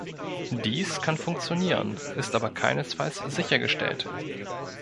Dies kann funktionieren, ist aber keinesfalls sichergestellt.